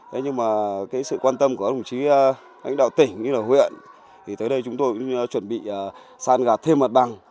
thế nhưng mà cái sự quan tâm của đồng chí anh đạo tỉnh như là huyện thì tới đây chúng tôi cũng chuẩn bị sàn gạt thêm mật bằng